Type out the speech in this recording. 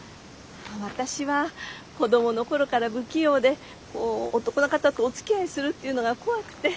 私は子供の頃から不器用で男の方とおつきあいするっていうのが怖くて。